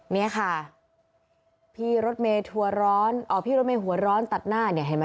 เนี่ยค่ะพี่รถเมย์ทัวร์ร้อนอ๋อพี่รถเมย์หัวร้อนตัดหน้าเนี่ยเห็นไหม